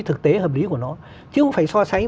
thực tế hợp lý của nó chứ không phải so sánh